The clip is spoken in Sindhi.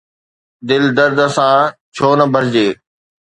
دل درد سان ڇو نه ڀرجي؟